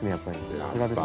さすがですね。